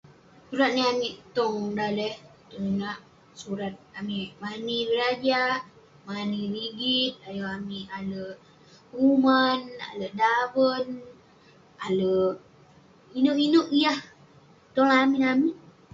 Surat nin amik tong daleh tong inak, surat amik mani berajak, mani rigit ayuk amik ale kuman, ale daven, ale inouk inouk yah tong lamin amik.